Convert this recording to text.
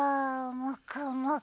もくもく。